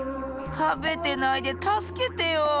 たべてないでたすけてよ。